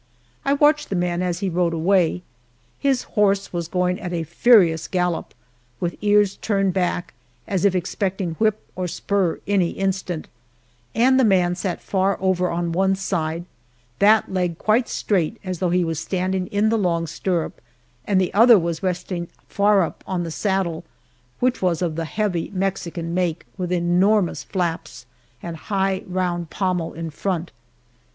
I watched the man as he rode away. His horse was going at a furious gallop, with ears turned back, as if expecting whip or spur any instant, and the man sat far over on one side, that leg quite straight as though he was standing in the long stirrup, and the other was resting far up on the saddle which was of the heavy Mexican make, with enormous flaps, and high, round pommel in front.